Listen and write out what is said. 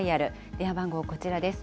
電話番号こちらです。